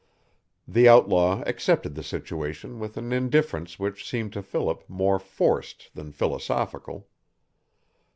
The outlaw accepted the situation with an indifference which seemed to Philip more forced than philosophical.